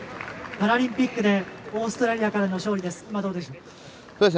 パラリンピックでオーストラリアからの勝利です。